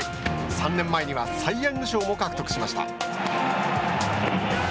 ３年前にはサイ・ヤング賞も獲得しました。